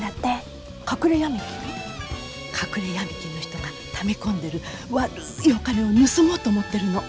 隠れヤミ金の人がため込んでる悪いお金を盗もうと思ってるの。